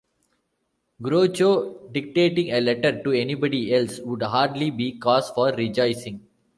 Groucho dictating a letter to anybody else would hardly be cause for rejoicing.